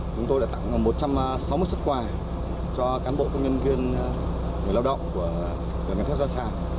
chúng tôi đã tặng một trăm sáu mươi một xuất quà cho cán bộ công nhân viên người lao động của phần luyện cán thép gia sàng